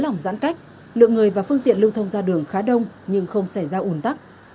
lỏng giãn cách lượng người và phương tiện lưu thông ra đường khá đông nhưng không xảy ra ủn tắc